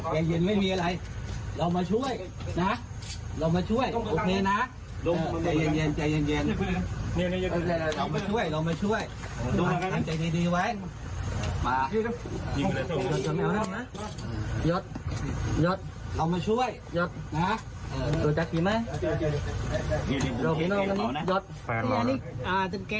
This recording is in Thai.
ตอนที่ตามไปแล้วก็คุมตัวได้นะฮะ